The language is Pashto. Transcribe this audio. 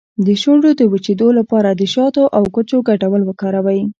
د شونډو د وچیدو لپاره د شاتو او کوچو ګډول وکاروئ